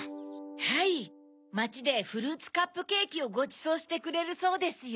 はいまちでフルーツカップケーキをごちそうしてくれるそうですよ。